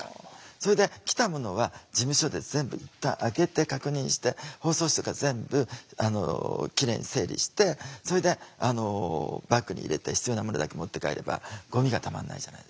それで来たものは事務所で全部いったん開けて確認して包装紙とか全部キレイに整理してそれでバッグに入れて必要なものだけ持って帰ればゴミがたまんないじゃないですか。